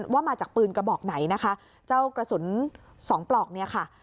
ว่ามาจากปืนกระบอกไหนนะคะเจ้ากระสุนสองปลอกเนี่ยค่ะ